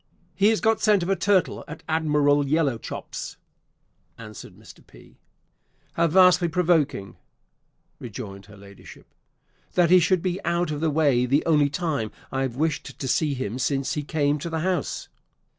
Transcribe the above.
"He has got scent of a turtle at Admiral Yellowchops," answered Mr. P. "How vastly provoking," rejoined her Ladyship, "that he should be out of the way the only time I have wished to see him since he came to the house!"